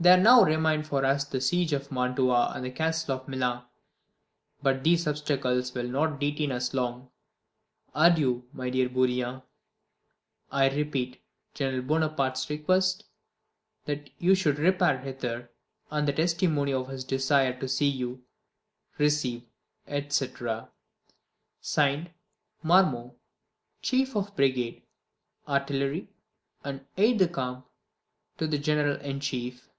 There now remain for us the siege of Mantua and the castle of Milan; but these obstacles will not detain us long. Adieu, my dear Bourrienne: I repeat General Bonaparte's request that you should repair hither, and the testimony of his desire to see you. Receive, etc., (Signed) MARMONT. Chief of Brigade (Artillery) and Aide de camp to the General in Chief.